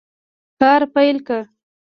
کار پیل کړ.